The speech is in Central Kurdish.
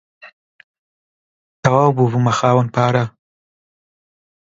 تەواو ببوومە خاوەن پارە.